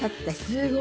すごい！